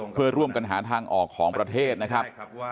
เพื่อร่วมกันหาทางออกของประเทศนะครับ